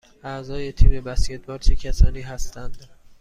اعضای تیم بسکتبال چه کسانی هستند؟